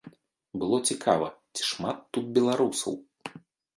Было цікава, ці шмат тут беларусаў.